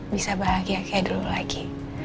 bisa bahagia kayak dulu lagi